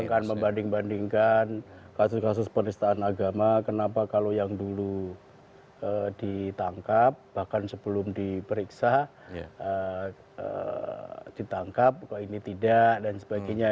bukan membanding bandingkan kasus kasus penistaan agama kenapa kalau yang dulu ditangkap bahkan sebelum diperiksa ditangkap kok ini tidak dan sebagainya